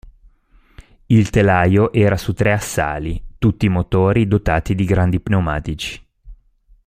Il telaio era su tre assali tutti motori, dotati di grandi pneumatici.